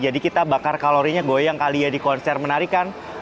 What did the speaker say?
jadi kita bakar kalorinya goyang kali ya di konser menarikan